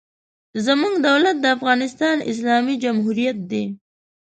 زموږ دولت د افغانستان اسلامي جمهوریت دی.